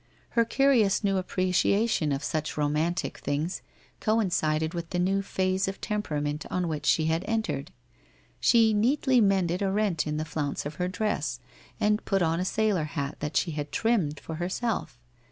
Her curious new appreciation of such romantic things coincided with the new phase of tempera ment on which she had entered. She neatly mended a rent in the flounce of her dress, and put on a sailor hat that she had trimmed for herself.